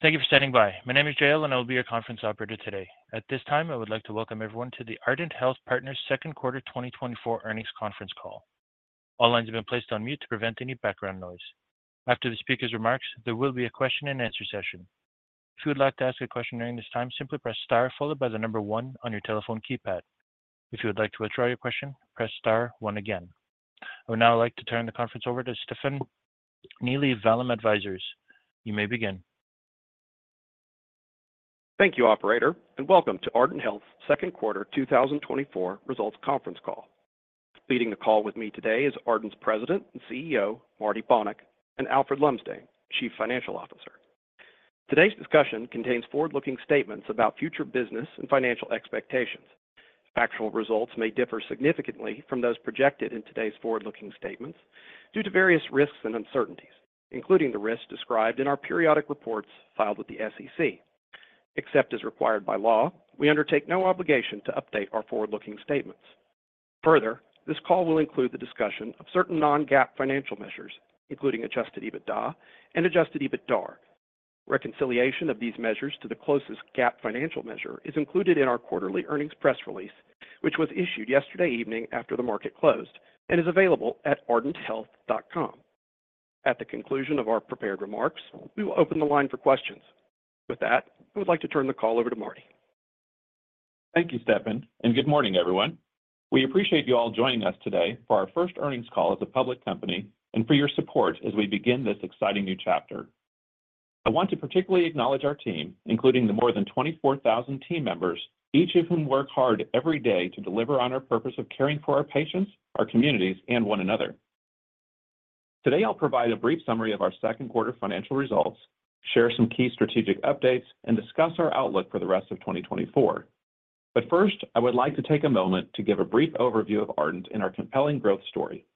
Thank you for standing by. My name is Gale, and I will be your conference operator today. At this time, I would like to welcome everyone to the Ardent Health Partners second quarter 2024 earnings conference call. All lines have been placed on mute to prevent any background noise. After the speaker's remarks, there will be a question and answer session. If you would like to ask a question during this time, simply press star followed by the number one on your telephone keypad. If you would like to withdraw your question, press Star one again. I would now like to turn the conference over to Stefan Neely, Vallum Advisors. You may begin. Thank you, operator, and welcome to Ardent Health's second quarter 2024 results conference call. Leading the call with me today is Ardent's President and CEO, Marty Bonick, and Alfred Lumsdaine, Chief Financial Officer. Today's discussion contains forward-looking statements about future business and financial expectations. Factual results may differ significantly from those projected in today's forward-looking statements due to various risks and uncertainties, including the risks described in our periodic reports filed with the SEC. Except as required by law, we undertake no obligation to update our forward-looking statements. Further, this call will include the discussion of certain non-GAAP financial measures, including Adjusted EBITDA, Adjusted EBITDAR. Reconciliation of these measures to the closest GAAP financial measure is included in our quarterly earnings press release, which was issued yesterday evening after the market closed and is available at ardenthealth.com. At the conclusion of our prepared remarks, we will open the line for questions. With that, I would like to turn the call over to Marty. Thank you, Stefan, and good morning, everyone. We appreciate you all joining us today for our first earnings call as a public company and for your support as we begin this exciting new chapter. I want to particularly acknowledge our team, including the more than 24,000 team members, each of whom work hard every day to deliver on our purpose of caring for our patients, our communities, and one another. Today, I'll provide a brief summary of our second quarter financial results, share some key strategic updates, and discuss our outlook for the rest of 2024. But first, I would like to take a moment to give a brief overview of Ardent and our compelling growth story.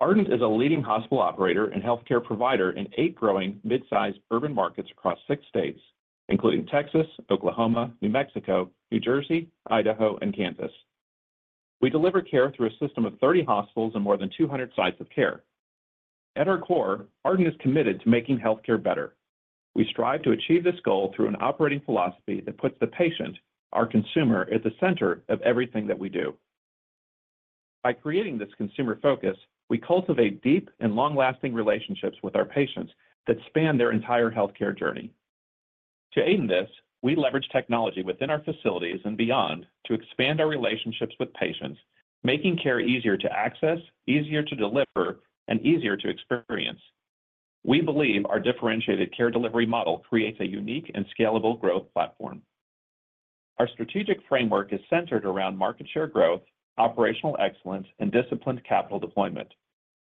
Ardent is a leading hospital operator and healthcare provider in eight growing mid-sized urban markets across six states, including Texas, Oklahoma, New Mexico, New Jersey, Idaho, and Kansas. We deliver care through a system of 30 hospitals and more than 200 sites of care. At our core, Ardent is committed to making healthcare better. We strive to achieve this goal through an operating philosophy that puts the patient, our consumer, at the center of everything that we do. By creating this consumer focus, we cultivate deep and long-lasting relationships with our patients that span their entire healthcare journey. To aid in this, we leverage technology within our facilities and beyond to expand our relationships with patients, making care easier to access, easier to deliver, and easier to experience. We believe our differentiated care delivery model creates a unique and scalable growth platform. Our strategic framework is centered around market share growth, operational excellence, and disciplined capital deployment.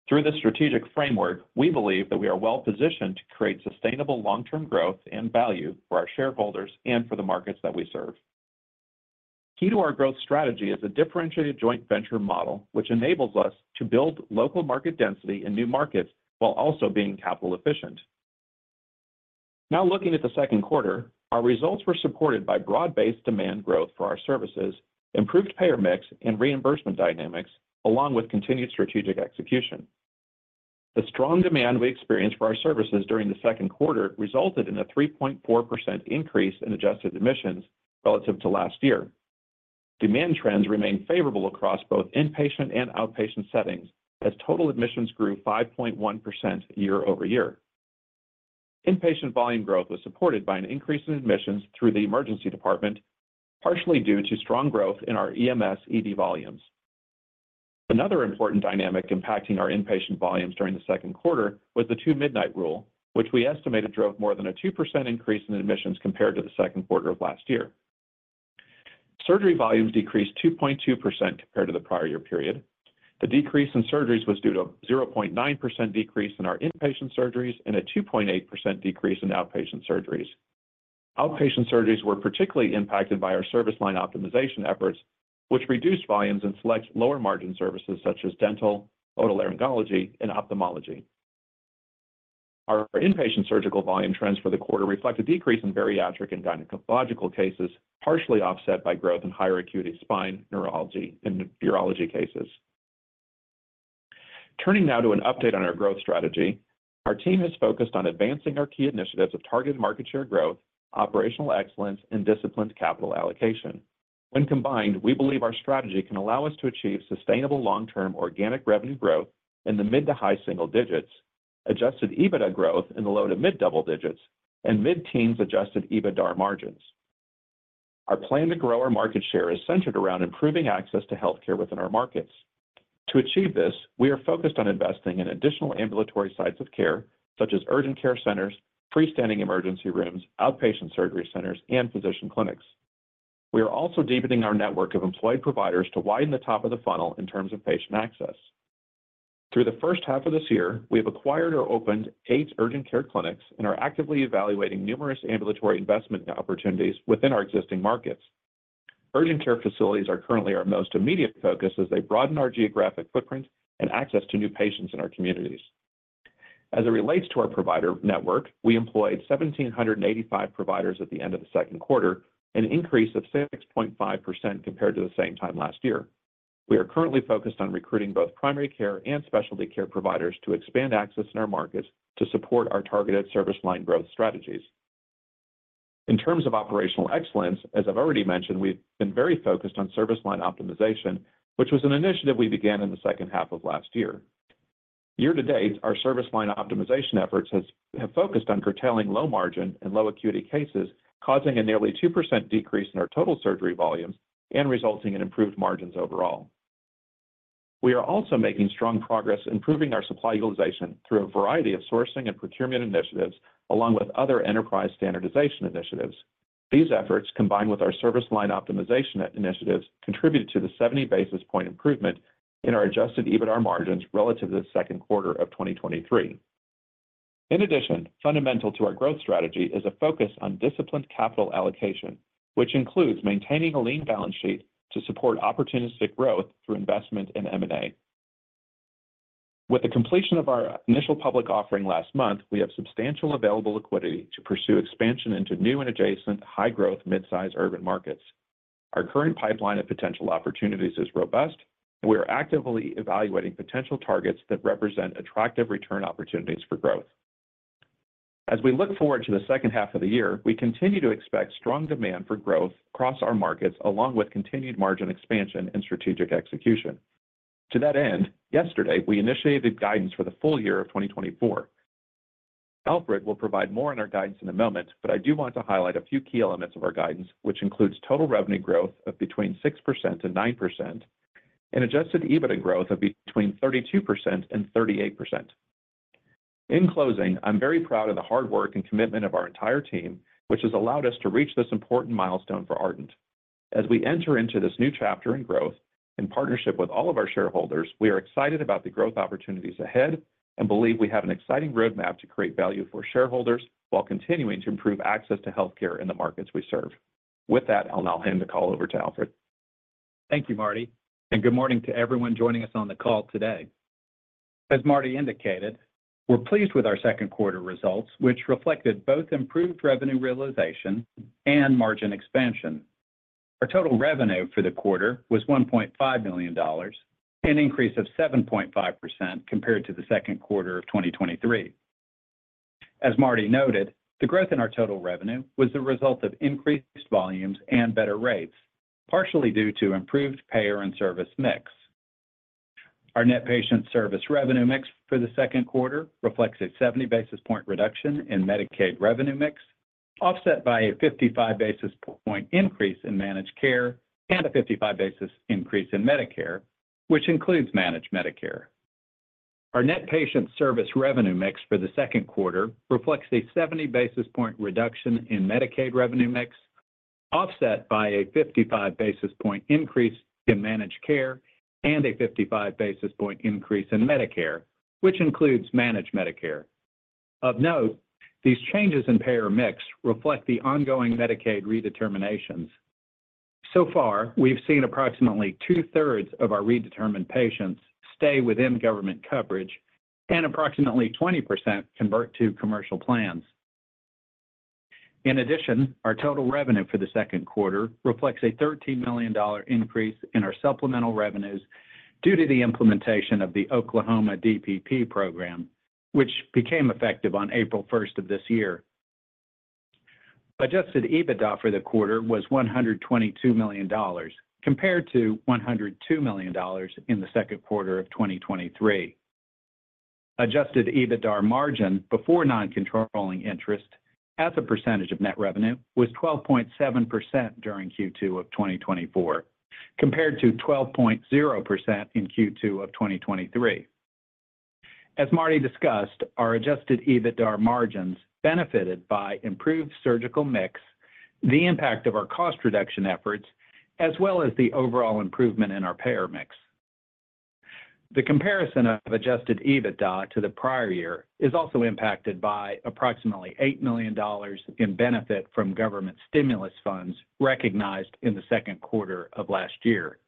Through this strategic framework, we believe that we are well-positioned to create sustainable long-term growth and value for our shareholders and for the markets that we serve. Key to our growth strategy is a differentiated joint venture model, which enables us to build local market density in new markets while also being capital efficient. Now, looking at the second quarter, our results were supported by broad-based demand growth for our services, improved payer mix and reimbursement dynamics, along with continued strategic execution. The strong demand we experienced for our services during the second quarter resulted in a 3.4% increase in adjusted admissions relative to last year. Demand trends remained favorable across both inpatient and outpatient settings, as total admissions grew 5.1% year-over-year. Inpatient volume growth was supported by an increase in admissions through the emergency department, partially due to strong growth in our EMS ED volumes. Another important dynamic impacting our inpatient volumes during the second quarter was the Two-Midnight Rule, which we estimated drove more than a 2% increase in admissions compared to the second quarter of last year. Surgery volumes decreased 2.2% compared to the prior year period. The decrease in surgeries was due to a 0.9% decrease in our inpatient surgeries and a 2.8% decrease in outpatient surgeries. Outpatient surgeries were particularly impacted by our service line optimization efforts, which reduced volumes in select lower-margin services such as dental, otolaryngology, and ophthalmology. Our inpatient surgical volume trends for the quarter reflect a decrease in bariatric and gynecological cases, partially offset by growth in higher acuity spine, neurology, and urology cases. Turning now to an update on our growth strategy. Our team is focused on advancing our key initiatives of targeted market share growth, operational excellence, and disciplined capital allocation. When combined, we believe our strategy can allow us to achieve sustainable long-term organic revenue growth in the mid to high single digits, Adjusted EBITDA growth in the low to mid double digits, and Adjusted EBITDAR margins. Our plan to grow our market share is centered around improving access to healthcare within our markets. To achieve this, we are focused on investing in additional ambulatory sites of care, such as urgent care centers, freestanding emergency rooms, outpatient surgery centers, and physician clinics. We are also deepening our network of employed providers to widen the top of the funnel in terms of patient access. Through the first half of this year, we have acquired or opened eight urgent care clinics and are actively evaluating numerous ambulatory investment opportunities within our existing markets. Urgent care facilities are currently our most immediate focus as they broaden our geographic footprint and access to new patients in our communities. As it relates to our provider network, we employed 1,785 providers at the end of the second quarter, an increase of 6.5% compared to the same time last year.... We are currently focused on recruiting both primary care and specialty care providers to expand access in our markets to support our targeted service line growth strategies. In terms of operational excellence, as I've already mentioned, we've been very focused on service line optimization, which was an initiative we began in the second half of last year. Year-to-date our service line optimization efforts have focused on curtailing low margin and low acuity cases, causing a nearly 2% decrease in our total surgery volumes and resulting in improved margins overall. We are also making strong progress improving our supply utilization through a variety of sourcing and procurement initiatives, along with other enterprise standardization initiatives. These efforts, combined with our service line optimization initiatives, contributed to the 70 basis point improvement in Adjusted EBITDAR margins relative to the second quarter of 2023. In addition, fundamental to our growth strategy is a focus on disciplined capital allocation, which includes maintaining a lean balance sheet to support opportunistic growth through investment in M&A. With the completion of our initial public offering last month, we have substantial available liquidity to pursue expansion into new and adjacent high-growth, mid-size urban markets. Our current pipeline of potential opportunities is robust, and we are actively evaluating potential targets that represent attractive return opportunities for growth. As we look forward to the second half of the year, we continue to expect strong demand for growth across our markets, along with continued margin expansion and strategic execution. To that end, yesterday, we initiated guidance for the full-year of 2024. Alfred will provide more on our guidance in a moment, but I do want to highlight a few key elements of our guidance, which includes total revenue growth of between 6% and 9% and Adjusted EBITDA growth of between 32% and 38%. In closing, I'm very proud of the hard work and commitment of our entire team, which has allowed us to reach this important milestone for Ardent. As we enter into this new chapter in growth, in partnership with all of our shareholders, we are excited about the growth opportunities ahead and believe we have an exciting roadmap to create value for shareholders while continuing to improve access to healthcare in the markets we serve. With that, I'll now hand the call over to Alfred. Thank you, Marty, and good morning to everyone joining us on the call today. As Marty indicated, we're pleased with our second quarter results, which reflected both improved revenue realization and margin expansion. Our total revenue for the quarter was $1.5 billion, an increase of 7.5% compared to the second quarter of 2023. As Marty noted, the growth in our total revenue was the result of increased volumes and better rates, partially due to improved payer and service mix. Our net patient service revenue mix for the second quarter reflects a 70 basis point reduction in Medicaid revenue mix, offset by a 55 basis point increase in managed care and a 55 basis increase in Medicare, which includes managed Medicare. Our net patient service revenue mix for the second quarter reflects a 70 basis point reduction in Medicaid revenue mix, offset by a 55 basis point increase in managed care and a 55 basis point increase in Medicare, which includes managed Medicare. Of note, these changes in payer mix reflect the ongoing Medicaid redeterminations. So far, we've seen approximately 2/3 of our redetermined patients stay within government coverage and approximately 20% convert to commercial plans. In addition, our total revenue for the second quarter reflects a $13 million increase in our supplemental revenues due to the implementation of the Oklahoma DPP program, which became effective on April first of this year. Adjusted EBITDA for the quarter was $122 million, compared to $102 million in the second quarter of 2023. Adjusted EBITDAR margin before non-controlling interest as a percentage of net revenue was 12.7% during Q2 of 2024, compared to 12.0% in Q2 of 2023. As Marty discussed, Adjusted EBITDAR margins benefited by improved surgical mix, the impact of our cost reduction efforts, as well as the overall improvement in our payer mix. The comparison of Adjusted EBITDA to the prior year is also impacted by approximately $8 million in benefit from government stimulus funds recognized in the second quarter of last year.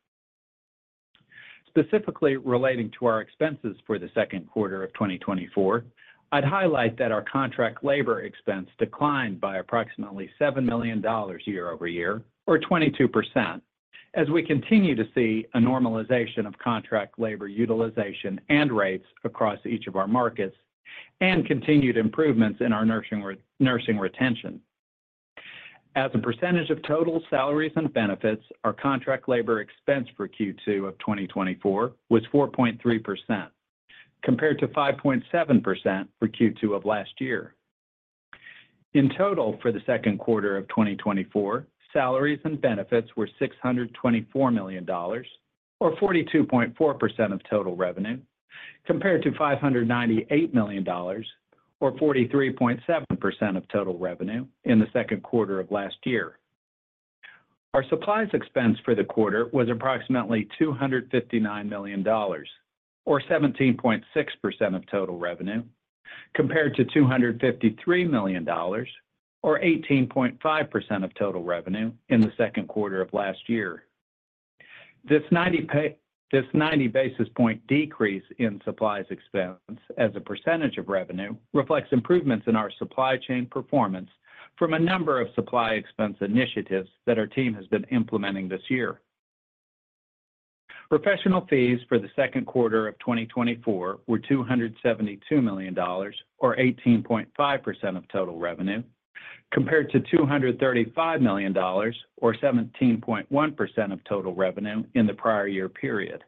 Specifically, relating to our expenses for the second quarter of 2024, I'd highlight that our contract labor expense declined by approximately $7 million year-over-year, or 22%, as we continue to see a normalization of contract labor utilization and rates across each of our markets and continued improvements in our nursing retention. As a percentage of total salaries and benefits, our contract labor expense for Q2 of 2024 was 4.3%, compared to 5.7% for Q2 of last year. In total, for the second quarter of 2024, salaries and benefits were $624 million, or 42.4% of total revenue, compared to $598 million, or 43.7% of total revenue in the second quarter of last year. Our supplies expense for the quarter was approximately $259 million, or 17.6% of total revenue, compared to $253 million, or 18.5% of total revenue in the second quarter of last year. This ninety basis point decrease in supplies expense as a percentage of revenue reflects improvements in our supply chain performance.... from a number of supply expense initiatives that our team has been implementing this year. Professional fees for the second quarter of 2024 were $272 million, or 18.5% of total revenue, compared to $235 million, or 17.1% of total revenue, in the prior year period.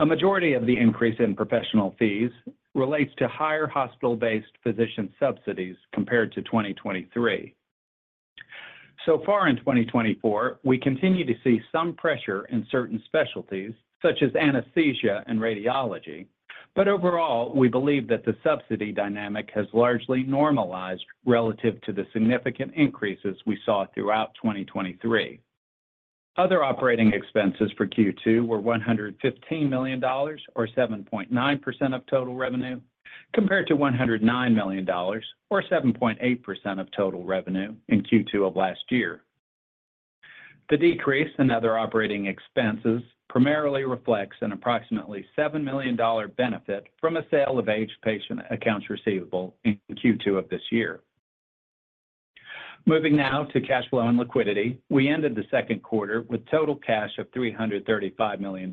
A majority of the increase in professional fees relates to higher hospital-based physician subsidies compared to 2023. So far in 2024, we continue to see some pressure in certain specialties, such as anesthesia and radiology, but overall, we believe that the subsidy dynamic has largely normalized relative to the significant increases we saw throughout 2023. Other operating expenses for Q2 were $115 million, or 7.9% of total revenue, compared to $109 million, or 7.8% of total revenue, in Q2 of last year. The decrease in other operating expenses primarily reflects an approximately $7 million benefit from a sale of aged patient accounts receivable in Q2 of this year. Moving now to cash flow and liquidity. We ended the second quarter with total cash of $335 million.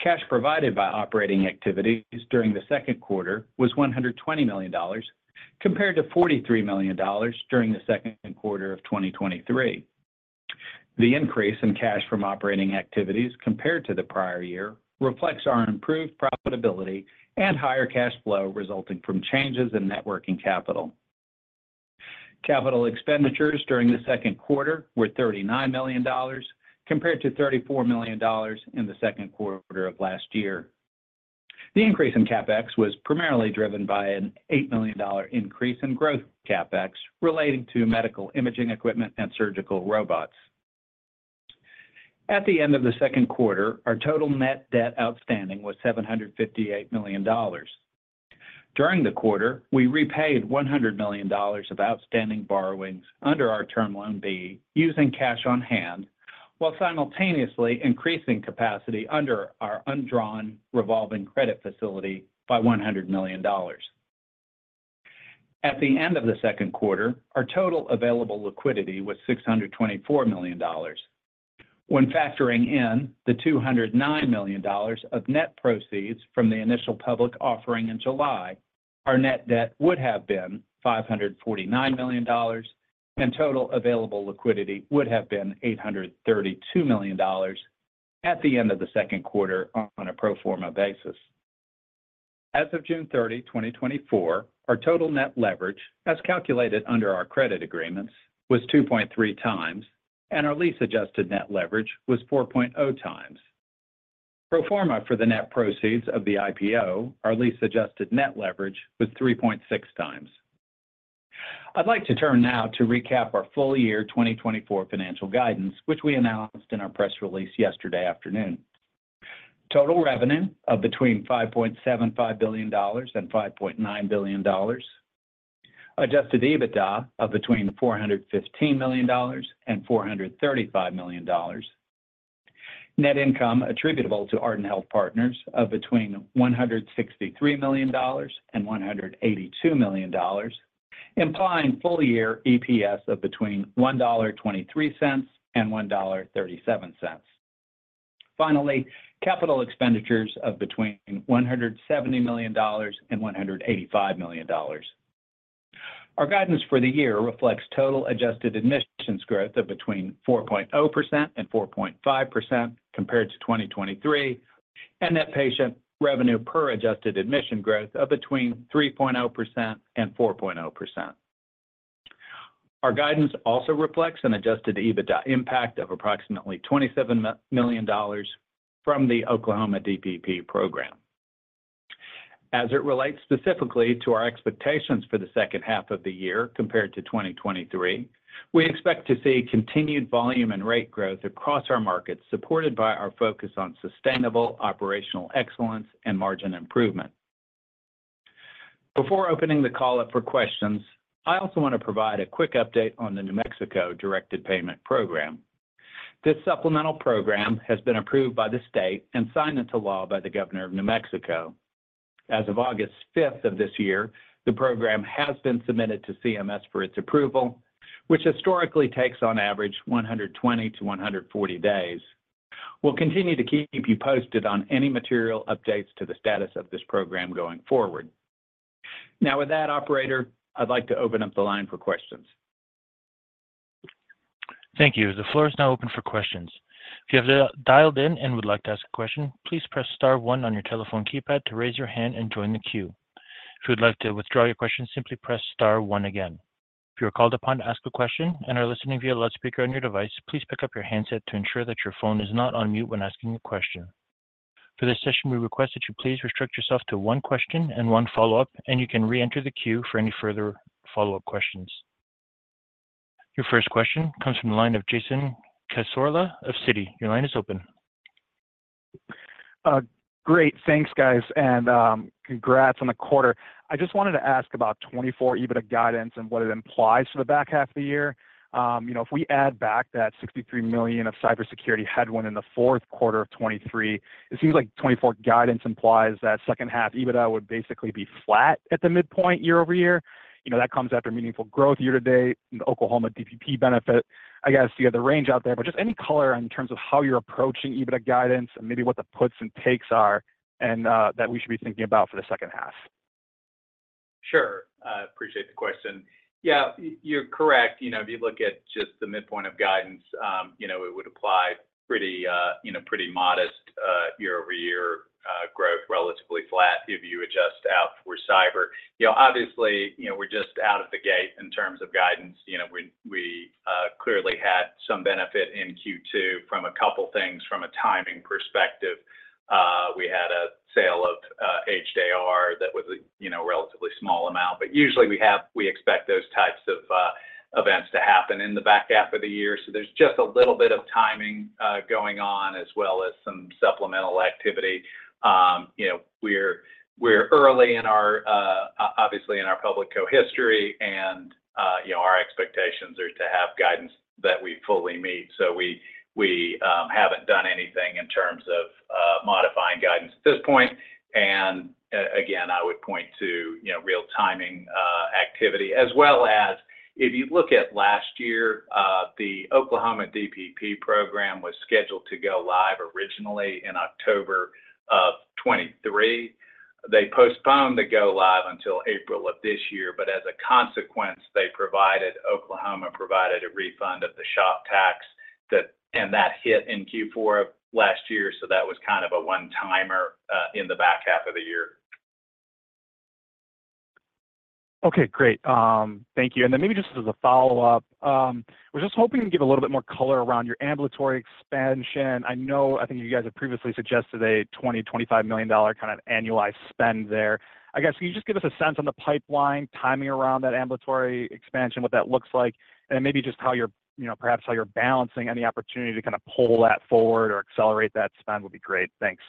Cash provided by operating activities during the second quarter was $120 million, compared to $43 million during the second quarter of 2023. The increase in cash from operating activities compared to the prior year reflects our improved profitability and higher cash flow, resulting from changes in net working capital. Capital expenditures during the second quarter were $39 million, compared to $34 million in the second quarter of last year. The increase in CapEx was primarily driven by an $8 million increase in growth CapEx, relating to medical imaging equipment and surgical robots. At the end of the second quarter, our total net debt outstanding was $758 million. During the quarter, we repaid $100 million of outstanding borrowings under our Term Loan B using cash on hand, while simultaneously increasing capacity under our undrawn revolving credit facility by $100 million. At the end of the second quarter, our total available liquidity was $624 million. When factoring in the $209 million of net proceeds from the initial public offering in July, our net debt would have been $549 million, and total available liquidity would have been $832 million at the end of the second quarter on a pro forma basis. As of June 30, 2024, our total net leverage, as calculated under our credit agreements, was 2.3 times, and our lease-adjusted net leverage was 4.0 times. Pro forma for the net proceeds of the IPO, our lease-adjusted net leverage was 3.6 times. I'd like to turn now to recap our full-year 2024 financial guidance, which we announced in our press release yesterday afternoon. Total revenue of between $5.75 billion and $5.9 billion. Adjusted EBITDA of between $415 million and $435 million. Net income attributable to Ardent Health Partners of between $163 million and $182 million, implying full-year EPS of between $1.23 and $1.37. Finally, capital expenditures of between $170 million and $185 million. Our guidance for the year reflects total adjusted admissions growth of between 4.0% and 4.5% compared to 2023, and net patient revenue per adjusted admission growth of between 3.0% and 4.0%. Our guidance also reflects an Adjusted EBITDA impact of approximately $27 million from the Oklahoma DPP program. As it relates specifically to our expectations for the second half of the year compared to 2023, we expect to see continued volume and rate growth across our markets, supported by our focus on sustainable operational excellence and margin improvement. Before opening the call up for questions, I also want to provide a quick update on the New Mexico Directed Payment Program. This supplemental program has been approved by the state and signed into law by the Governor of New Mexico. As of August fifth of this year, the program has been submitted to CMS for its approval, which historically takes on average 120-140 days. We'll continue to keep you posted on any material updates to the status of this program going forward. Now, with that, operator, I'd like to open up the line for questions. Thank you. The floor is now open for questions. If you have dialed in and would like to ask a question, please press star one on your telephone keypad to raise your hand and join the queue. If you would like to withdraw your question, simply press star one again. If you are called upon to ask a question and are listening via loudspeaker on your device, please pick up your handset to ensure that your phone is not on mute when asking a question. For this session, we request that you please restrict yourself to one question and one follow-up, and you can reenter the queue for any further follow-up questions. Your first question comes from the line of Jason Cassorla of Citi. Your line is open.... Great. Thanks, guys, and congrats on the quarter. I just wanted to ask about 2024 EBITDA guidance and what it implies for the back half of the year. You know, if we add back that $63 million of cybersecurity headwind in the fourth quarter of 2023, it seems like 2024 guidance implies that second half EBITDA would basically be flat at the midpoint year-over-year. You know, that comes after meaningful growth year-to-date and the Oklahoma DPP benefit. I guess you have the range out there, but just any color in terms of how you're approaching EBITDA guidance and maybe what the puts and takes are, and that we should be thinking about for the second half. Sure. I appreciate the question. Yeah, you're correct. You know, if you look at just the midpoint of guidance, you know, it would apply pretty, you know, pretty modest, year-over-year growth, relatively flat if you adjust out for cyber. You know, obviously, you know, we're just out of the gate in terms of guidance. You know, we clearly had some benefit in Q2 from a couple things from a timing perspective. We had a sale of aged AR that was a, you know, relatively small amount, but usually we expect those types of events to happen in the back half of the year. So there's just a little bit of timing going on, as well as some supplemental activity. You know, we're early in our obviously, in our public co history and, you know, our expectations are to have guidance that we fully meet. So we, we haven't done anything in terms of modifying guidance at this point. And again, I would point to, you know, real timing activity, as well as if you look at last year, the Oklahoma DPP program was scheduled to go live originally in October of 2023. They postponed the go live until April of this year, but as a consequence, they provided—Oklahoma provided a refund of the SHOPP tax that, and that hit in Q4 of last year, so that was kind of a one-timer in the back half of the year. Okay, great. Thank you. And then maybe just as a follow-up, we're just hoping to give a little bit more color around your ambulatory expansion. I know, I think you guys have previously suggested a $20 million-$25 million kind of annualized spend there. I guess, can you just give us a sense on the pipeline, timing around that ambulatory expansion, what that looks like, and maybe just how you're, you know, perhaps how you're balancing any opportunity to pull that forward or accelerate that spend would be great. Thanks.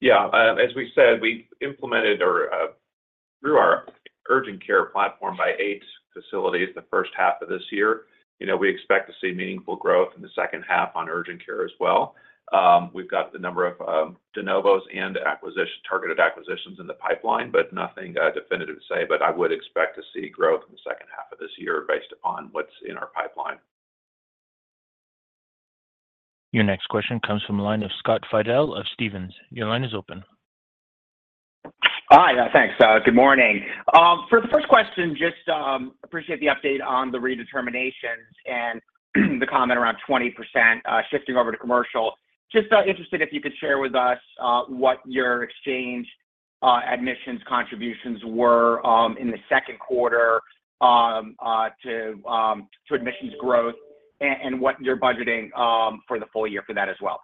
Yeah, as we said, we implemented or through our urgent care platform by eight facilities the first half of this year. You know, we expect to see meaningful growth in the second half on urgent care as well. We've got the number of de novos and acquisition, targeted acquisitions in the pipeline, but nothing definitive to say. But I would expect to see growth in the second half of this year based upon what's in our pipeline. Your next question comes from the line of Scott Fidel of Stephens. Your line is open. Hi, thanks. Good morning. For the first question, just appreciate the update on the redeterminations and the comment around 20% shifting over to commercial. Just interested if you could share with us what your exchange admissions contributions were in the second quarter to admissions growth and what you're budgeting for the full-year for that as well.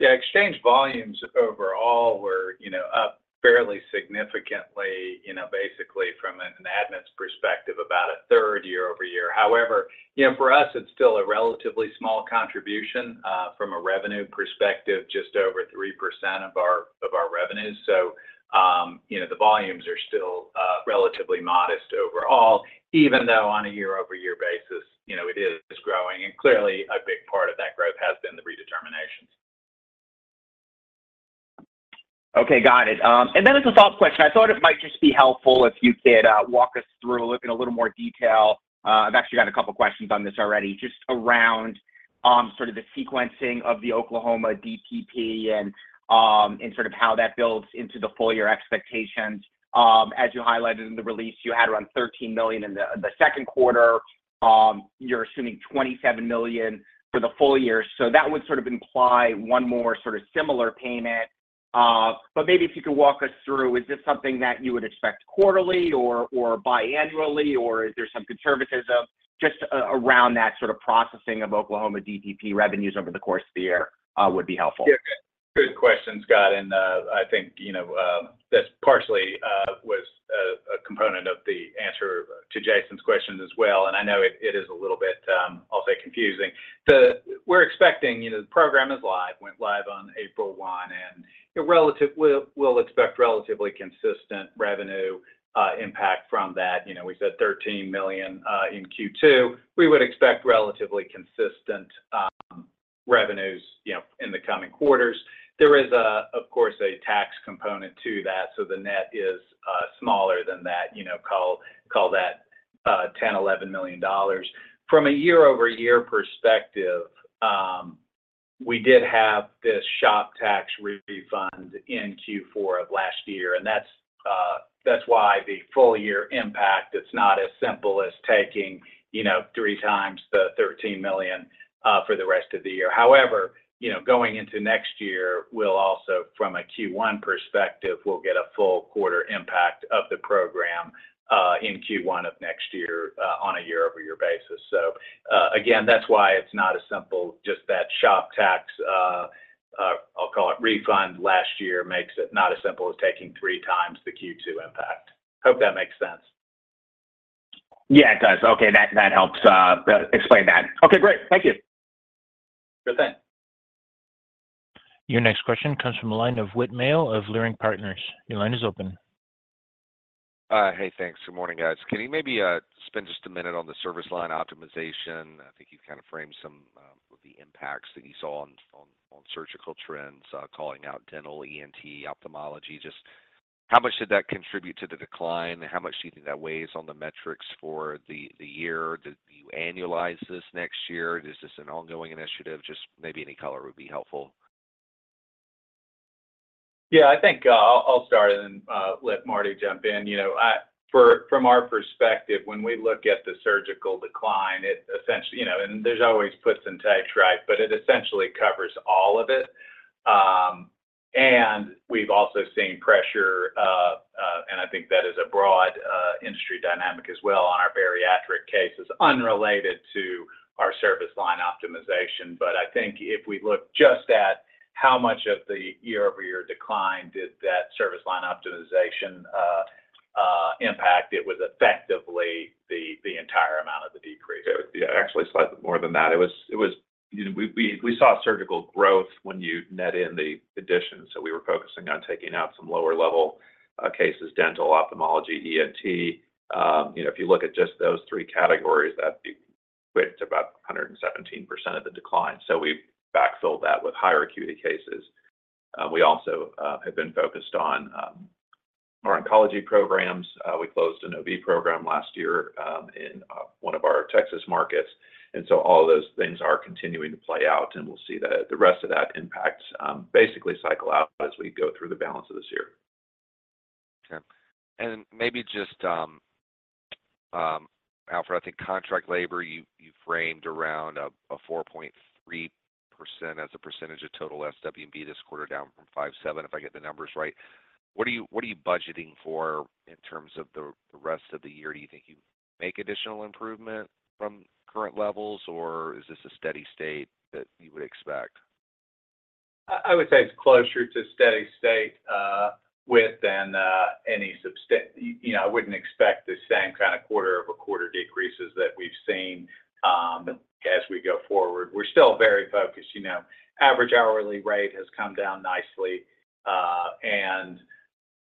Yeah, exchange volumes overall were, you know, up fairly significantly, you know, basically from an admissions perspective, about a third year-over-year. However, you know, for us, it's still a relatively small contribution from a revenue perspective, just over 3% of our revenues. So, you know, the volumes are still relatively modest overall, even though on a year-over-year basis, you know, it is growing, and clearly a big part of that growth has been the redeterminations. Okay, got it. And then as a follow-up question, I thought it might just be helpful if you could walk us through, look in a little more detail. I've actually got a couple questions on this already, just around sort of the sequencing of the Oklahoma DPP and and sort of how that builds into the full-year expectations. As you highlighted in the release, you had around $13 million in the second quarter. You're assuming $27 million for the full-year. So that would sort of imply one more sort of similar payment. But maybe if you could walk us through, is this something that you would expect quarterly or biannually, or is there some conservatism just around that sort of processing of Oklahoma DPP revenues over the course of the year, would be helpful. Yeah, good question, Scott, and I think, you know, that partially was a component of the answer to Jason's question as well, and I know it is a little bit, I'll say confusing. We're expecting, you know, the program is live, went live on April 1, and we'll expect relatively consistent revenue impact from that. You know, we said $13 million in Q2. We would expect relatively consistent revenues, you know, in the coming quarters. There is, of course, a tax component to that, so the net is smaller than that, you know, call that $10 million-$11 million. From a year-over-year perspective, we did have this SHOPP tax refund in Q4 of last year, and that's, that's why the full-year impact, it's not as simple as taking, you know, three times the $13 million, for the rest of the year. However, you know, going into next year, we'll also, from a Q1 perspective, we'll get a full quarter impact of the program, in Q1 of next year, on a year-over-year basis. So, again, that's why it's not as simple, just that SHOPP tax, I'll call it refund last year, makes it not as simple as taking three times the Q2 impact. Hope that makes sense.... Yeah, it does. Okay, that, that helps, explain that. Okay, great. Thank you. Good thing. Your next question comes from the line of Whit Mayo of Leerink Partners. Your line is open. Hey, thanks. Good morning, guys. Can you maybe spend just a minute on the service line optimization? i think you kind of framed some of the impacts that you saw on surgical trends, calling out dental, ENT, ophthalmology. Just how much did that contribute to the decline? How much do you think that weighs on the metrics for the year? Do you annualize this next year? Is this an ongoing initiative? Just maybe any color would be helpful. Yeah, I think I'll start and then let Marty jump in. You know, from our perspective, when we look at the surgical decline, it essentially, you know, and there's always puts and takes, right? But it essentially covers all of it. And we've also seen pressure, and I think that is a broad industry dynamic as well on our bariatric cases, unrelated to our service line optimization. but i think if we look just at how much of the year-over-year decline on that service line optimization impact, it was effectively the entire amount of the decrease. It was, yeah, actually, slightly more than that. It was, you know, we saw surgical growth when you net in the additions. So we were focusing on taking out some lower level cases, dental, ophthalmology, ENT. You know, if you look at just those three categories, that equates to about 117% of the decline. So we backfilled that with higher acuity cases. We also have been focused on our oncology programs. We closed an OB program last year, in one of our Texas markets, and so all of those things are continuing to play out, and we'll see the rest of that impact, basically cycle out as we go through the balance of this year. Okay. Maybe just, Alfred, I think contract labor, you framed around a 4.3% as a percentage of total SWB this quarter, down from 5.7%, if I get the numbers right. What are you budgeting for in terms of the rest of the year? Do you think you make additional improvement from current levels, or is this a steady state that you would expect? I would say it's closer to steady state. You know, I wouldn't expect the same kind of quarter-over-quarter decreases that we've seen as we go forward. We're still very focused, you know. Average hourly rate has come down nicely, and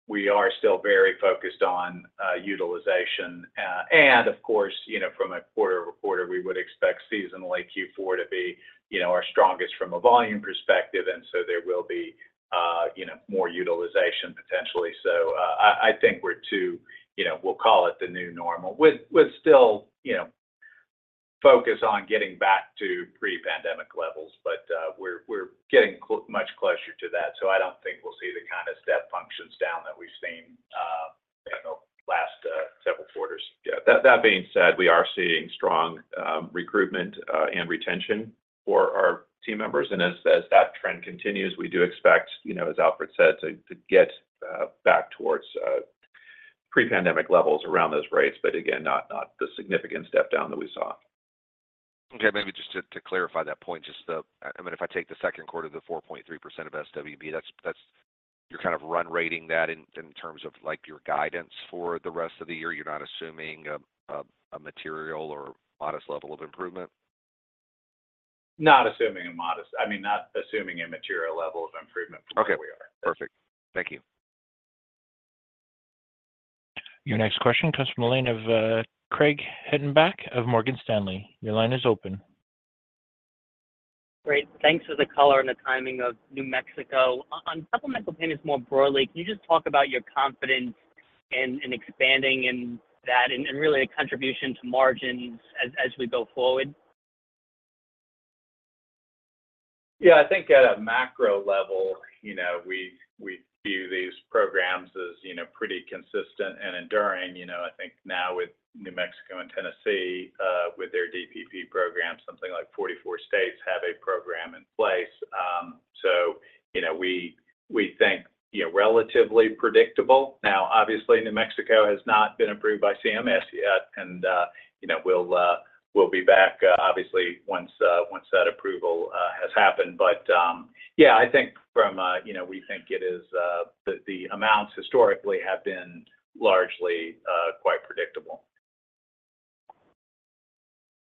we are still very focused on utilization. And of course, you know, from a quarter-over-quarter, we would expect seasonally Q4 to be, you know, our strongest from a volume perspective, and so there will be, you know, more utilization potentially. So, I think we're to, you know, we'll call it the new normal, with still, you know, focus on getting back to pre-pandemic levels. But, we're getting much closer to that, so I don't think we'll see the kind of step functions down that we've seen, you know, last several quarters. Yeah. That being said, we are seeing strong recruitment and retention for our team members, and as that trend continues, we do expect, you know, as Alfred said, to get back towards pre-pandemic levels around those rates, but again, not the significant step down that we saw. Okay, maybe just to clarify that point, just the—I mean, if I take the second quarter, the 4.3% of SWB, that's—that's you're kind of run rating that in, in terms of, like, your guidance for the rest of the year. You're not assuming a material or modest level of improvement? Not assuming a modest, I mean, not assuming a material level of improvement from where we are. Okay, perfect. Thank you. Your next question comes from the line of, Craig Hettenbach of Morgan Stanley. Your line is open. Great. Thanks for the color and the timing of New Mexico. On supplemental payments more broadly, can you just talk about your confidence in expanding and that, and really a contribution to margins as we go forward? Yeah, I think at a macro level, you know, we view these programs as, you know, pretty consistent and enduring. You know, I think now with New Mexico and Tennessee, with their DPP program, something like 44 states have a program in place. So, you know, we think, you know, relatively predictable. Now, obviously, New Mexico has not been approved by CMS yet, and, you know, we'll be back, obviously once that approval has happened. But, yeah, I think from, you know, we think it is, the amounts historically have been largely, quite predictable.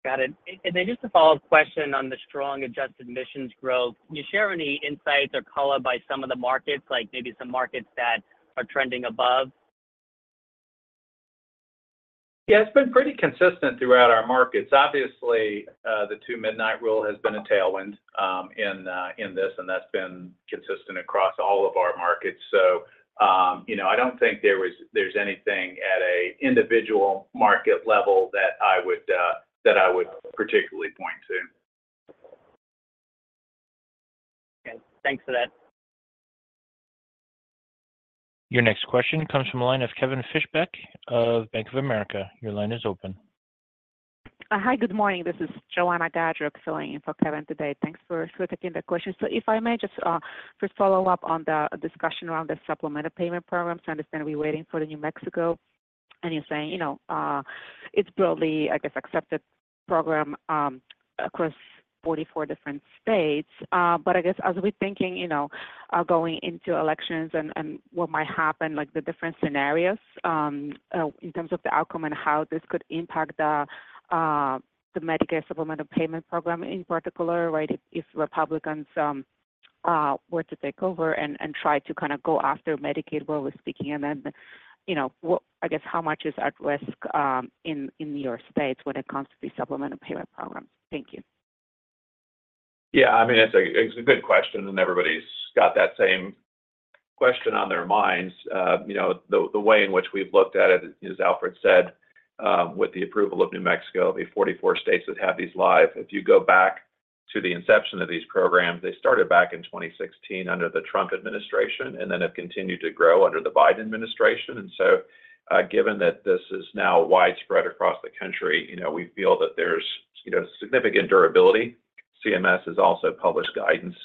Got it. And then just a follow-up question on the strong Adjusted Admissions growth. Can you share any insights or color by some of the markets, like maybe some markets that are trending above? Yeah, it's been pretty consistent throughout our markets. Obviously, the Two-Midnight Rule has been a tailwind in this, and that's been consistent across all of our markets. So, you know, I don't think there's anything at a individual market level that I would particularly point to. Okay, thanks for that. Your next question comes from a line of Kevin Fischbeck of Bank of America. Your line is open. Hi, good morning. This is Joanna Gajuk filling in for Kevin today. Thanks for taking the question. So if I may just follow up on the discussion around the supplemental payment program. So I understand we're waiting for the New Mexico, and you're saying, you know, it's broadly, I guess, accepted program across 44 different states. But I guess as we're thinking, you know, going into elections and what might happen, like, the different scenarios in terms of the outcome and how this could impact the Medicare Supplemental Payment program in particular, right? If Republicans were to take over and try to kind of go after Medicaid, well, we're speaking and then, you know, what—I guess, how much is at risk in your states when it comes to the Supplemental Payment program? Thank you. Yeah, I mean, it's a, it's a good question, and everybody's got that same question on their minds. You know, the, the way in which we've looked at it, as Alfred said, with the approval of New Mexico, the 44 states that have these live. If you go back to the inception of these programs, they started back in 2016 under the Trump administration and then have continued to grow under the Biden administration. And so, given that this is now widespread across the country, you know, we feel that there's, you know, significant durability. CMS has also published guidance,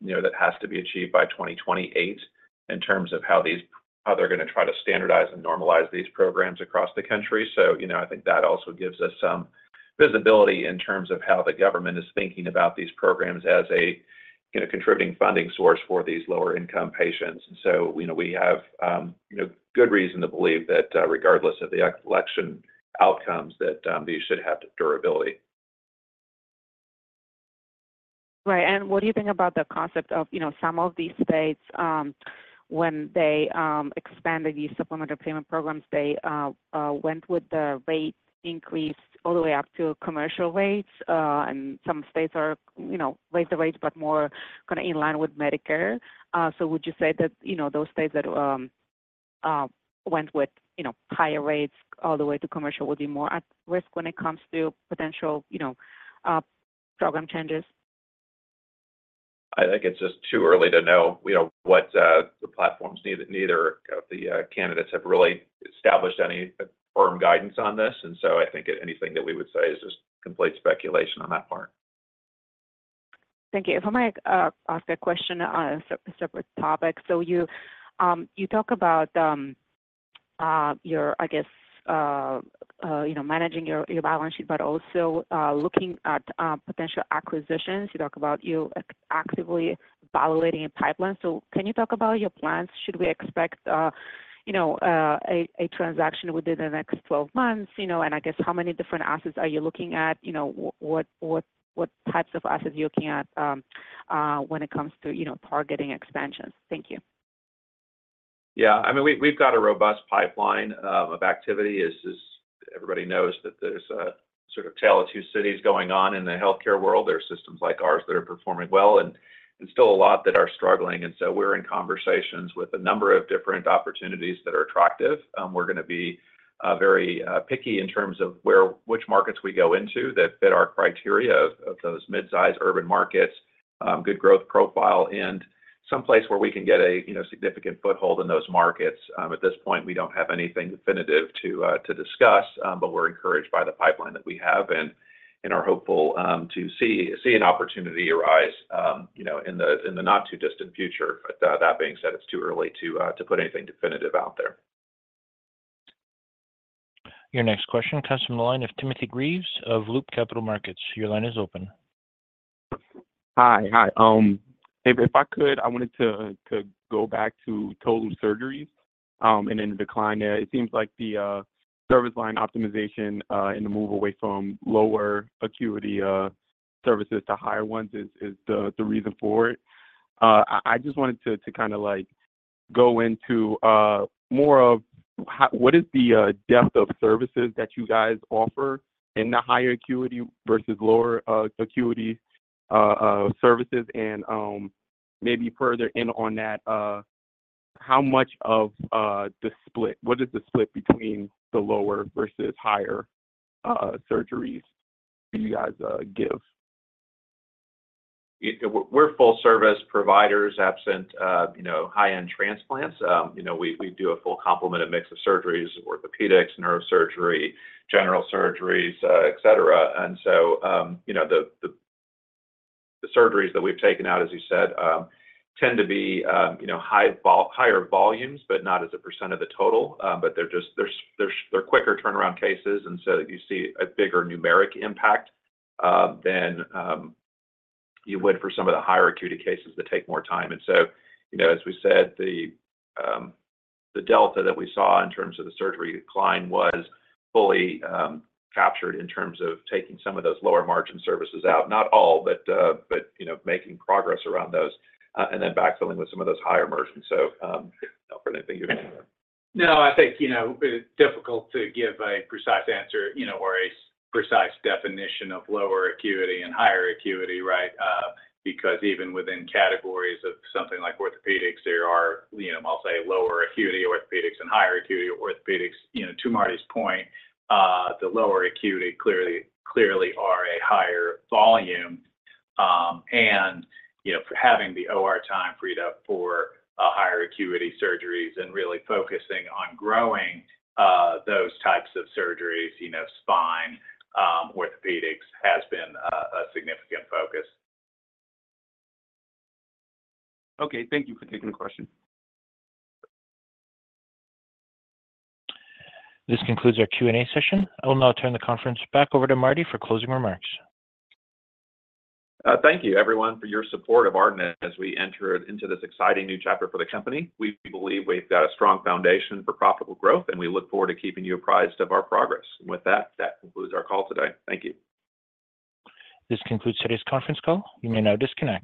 you know, that has to be achieved by 2028 in terms of how these-- how they're gonna try to standardize and normalize these programs across the country. So, you know, I think that also gives us some visibility in terms of how the government is thinking about these programs as a, you know, contributing funding source for these lower-income patients. And so, you know, we have, you know, good reason to believe that, regardless of the election outcomes, that these should have durability. Right. And what do you think about the concept of, you know, some of these states, when they, expanded these supplemental payment programs, they, went with the rate increase all the way up to commercial rates, and some states are, you know, raised the rates, but more kinda in line with Medicare. So would you say that, you know, those states that, went with, you know, higher rates all the way to commercial would be more at risk when it comes to potential, you know, program changes? I think it's just too early to know, you know, what the platforms need. Neither of the candidates have really established any firm guidance on this, and so I think anything that we would say is just complete speculation on that part. Thank you. If I might ask a question on a separate topic. So you talk about your, I guess, you know, managing your balance sheet, but also looking at potential acquisitions. You talk about you actively evaluating a pipeline. So can you talk about your plans? Should we expect, you know, a transaction within the next 12 months? You know, and I guess how many different assets are you looking at? You know, what types of assets are you looking at, when it comes to, you know, targeting expansions? Thank you. Yeah. I mean, we've got a robust pipeline of activity, as everybody knows, that there's a sort of Tale of Two Cities going on in the healthcare world. There are systems like ours that are performing well, and still a lot that are struggling, and so we're in conversations with a number of different opportunities that are attractive. We're gonna be very picky in terms of where—which markets we go into that fit our criteria of those mid-size urban markets, good growth profile, and someplace where we can get a, you know, significant foothold in those markets. At this point, we don't have anything definitive to discuss, but we're encouraged by the pipeline that we have and are hopeful to see an opportunity arise, you know, in the not-too-distant future. That being said, it's too early to put anything definitive out there. Your next question comes from the line of Timothy Greaves of Loop Capital Markets. Your line is open. Hi. Hi, if I could, I wanted to go back to total surgeries and in decline. It seems service line optimization and the move away from lower acuity services to higher ones is the reason for it. I just wanted to kinda, like, go into more of how... What is the depth of services that you guys offer in the higher acuity versus lower acuity services? And maybe further in on that, how much of the split-- what is the split between the lower versus higher surgeries do you guys give? We're full-service providers, absent you know, high-end transplants. You know, we do a full complement of mix of surgeries, orthopedics, neurosurgery, general surgeries, et cetera. And so, you know, the surgeries that we've taken out, as you said, tend to be, you know, higher volumes, but not as a percent of the total. But they're just quicker turnaround cases, and so you see a bigger numeric impact than you would for some of the higher acuity cases that take more time. And so, you know, as we said, the delta that we saw in terms of the surgery decline was fully captured in terms of taking some of those lower margin services out. Not all, but you know, making progress around those, and then backfilling with some of those higher margins. So, Alfred, anything you want to add? No, I think, you know, it's difficult to give a precise answer, you know, or a precise definition of lower acuity and higher acuity, right? Because even within categories of something like orthopedics, there are, you know, I'll say, lower acuity orthopedics and higher acuity orthopedics. You know, to Marty's point, the lower acuity clearly, clearly are a higher volume, and, you know, for having the OR time freed up for a higher acuity surgeries and really focusing on growing, those types of surgeries, you know, spine, orthopedics, has been a, a significant focus. Okay, thank you for taking the question. This concludes our Q&A session. I will now turn the conference back over to Marty for closing remarks. Thank you, everyone, for your support of Ardent as we enter into this exciting new chapter for the company. We believe we've got a strong foundation for profitable growth, and we look forward to keeping you apprised of our progress. With that, that concludes our call today. Thank you. This concludes today's conference call. You may now disconnect.